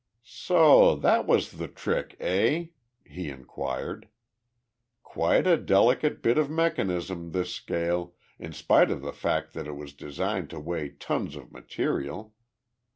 "So that was the trick, eh?" he inquired. "Quite a delicate bit of mechanism, this scale in spite of the fact that it was designed to weigh tons of material.